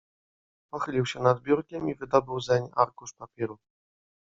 "Pochylił się nad biurkiem i wydobył zeń arkusz papieru."